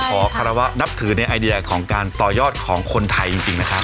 ขอคารวะนับถือในไอเดียของการต่อยอดของคนไทยจริงนะครับ